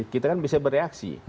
kita kan bisa bereaksi